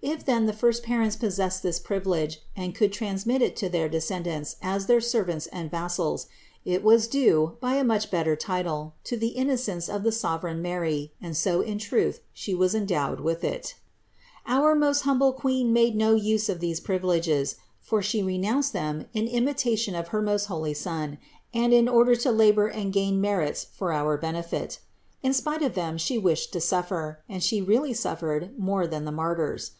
If then the first parents possessed this priv ilege and could transmit it to their descendants as their servants and vassals, it was due, by a much better title, to the innocence of the sovereign Mary; and so in truth was She endowed with it. 171. Our most humble Queen made no use of these THE INCARNATION 139 privileges, for She renounced them in imitation of her most holy Son and in order to labor and gain merits for our benefit; in spite of them She wished to suffer and She really suffered more than the martyrs.